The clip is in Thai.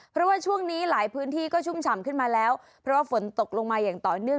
เพราะว่าช่วงนี้หลายพื้นที่ก็ชุ่มฉ่ำขึ้นมาแล้วเพราะว่าฝนตกลงมาอย่างต่อเนื่อง